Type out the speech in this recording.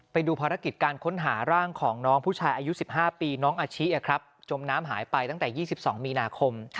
ไปดูภารกิจการค้นหาร่างของน้องผู้ชายอายุ๑๕ปีน้องอาชิจมน้ำหายไปตั้งแต่๒๒มีนาคม